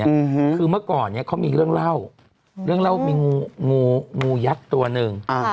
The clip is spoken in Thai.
คือเมื่อก่อนเขามีเรื่องเล่าเรื่องเล่ามีงูยักษ์ตัวหนึ่ง